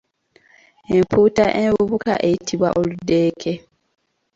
Empuuta envubuka eyitibwa Oludeeke.